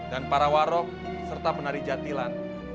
dan para warog serta penari jatilan